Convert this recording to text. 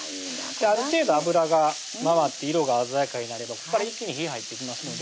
ある程度油が回って色が鮮やかになればここから一気に火入っていきますので